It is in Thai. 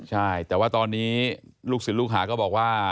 ใช่แต่ว่าตอนนี้ลูกศิษย์ลูกหาก็บอกว่า